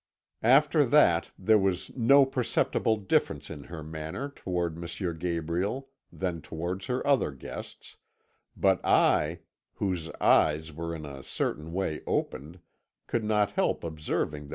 "After that, there was no perceptible difference in her manner toward M. Gabriel than towards her other guests, but I, whose eyes were in a certain way opened, could not help observing that M.